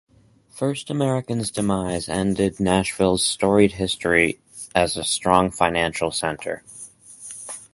First American's demise ended Nashville's storied history as a strong financial center.